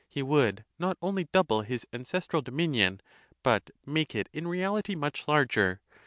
he would not only double his ancestral dominion, but make it in reality much larger.